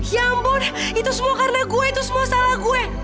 ya ampun itu semua karena gue itu semua salah gue